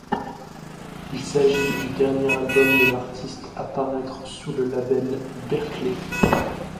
Il s'agit du dernier album de l'artiste à paraitre sous le label Barclay.